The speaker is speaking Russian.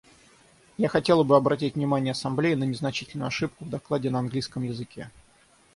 Я хотела бы обратить внимание Ассамблеи на незначительную ошибку в докладе на английском языке.